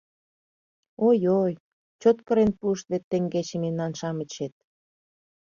Ой-ой, чот кырен пуышт вет теҥгече мемнан-шамычет.